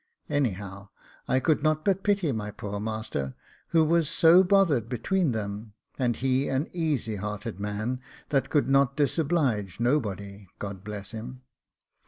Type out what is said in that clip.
Anyhow, I could not but pity my poor master, who was so bothered between them, and he an easy hearted man, that could not disoblige nobody God bless him!